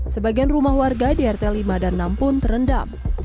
sebagian rumah warga di rt lima dan enam pun terendam